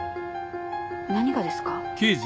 何がですか？